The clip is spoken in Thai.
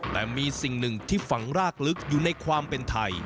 แต่มีสิ่งหนึ่งที่ฝังรากลึกอยู่ในความเป็นไทย